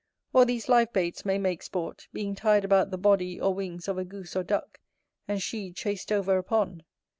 Or these live baits may make sport, being tied about the body or wings of a goose or duck, and she chased over a pond.